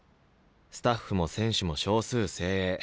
スタッフも選手も少数精鋭。